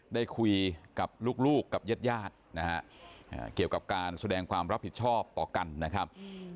ได้คุยกับลูกกับญาติญาตินะฮะเกี่ยวกับการแสดงความรับผิดชอบต่อกันนะครับ